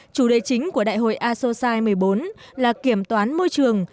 chủ đề chính của đại hội asosci một mươi bốn là kiểm toán môi trường